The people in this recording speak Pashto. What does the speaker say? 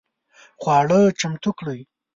خواړه چمتو کړئ